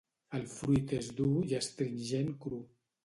El fruit és dur i astringent cru.